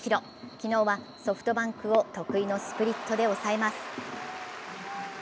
昨日はソフトバンクを得意のスプリットで抑えます。